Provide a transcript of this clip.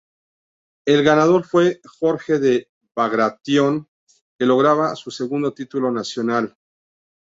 El ganador fue Jorge de Bagration que lograba su segundo título nacional.